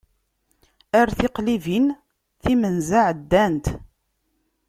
Ar tiqlibin, timenza ɛeddant!